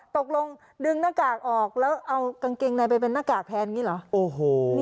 ตกลงดึงหน้ากากออกแล้วเอากางเกงในไปเป็นหน้ากากแทนอย่างนี้เหรอ